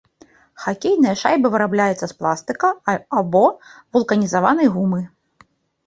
Хакейная шайба вырабляецца з пластыка або вулканізаванай гумы.